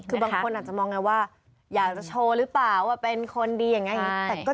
คือบางคนอาจจะมองไงว่าอยากจะโชว์หรือเปล่าว่าเป็นคนดีอย่างนี้